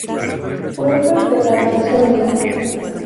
Pueblo de la de Soria.